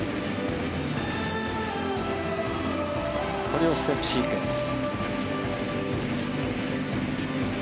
コレオステップシークエンス。